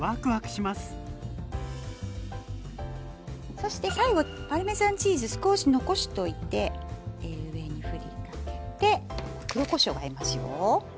そして最後パルメザンチーズ少し残しといて上にふりかけて黒こしょうが入りますよ。